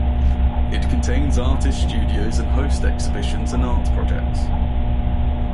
It contains artist studios and hosts exhibitions and art projects.